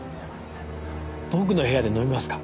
僕の部屋で飲みますか？